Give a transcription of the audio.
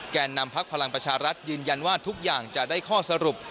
นำพักพลังประชารัฐยืนยันว่าทุกอย่างจะได้ข้อสรุป